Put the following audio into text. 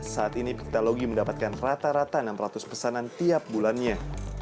saat ini piktologi mendapatkan rata rata enam ratus pesanan tiap bulannya